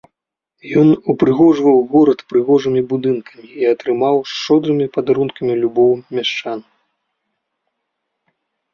Ён упрыгожваў горад прыгожымі будынкамі і атрымаў шчодрымі падарункамі любоў мяшчан.